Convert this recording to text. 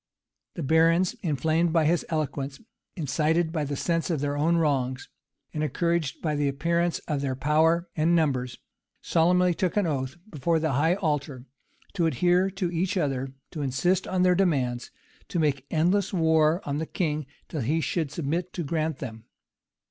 [*] The barons, inflamed by his eloquence, incited by the sense of their own wrongs, and encouraged by the appearance of their power and numbers, solemnly took an oath, before the high altar, to adhere to each other, to insist on their demands, and to make endless war on the king till he should submit to grant them.